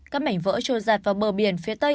các mảnh vỡ trôi giặt vào bờ biển phía tây